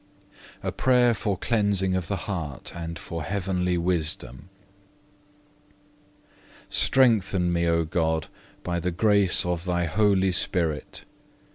A PRAYER FOR CLEANSING OF THE HEART AND FOR HEAVENLY WISDOM 4. Strengthen me, O God, by the grace of Thy Holy Spirit.